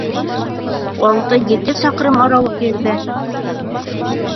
Алты-ете саҡрым арауыҡ ерҙә!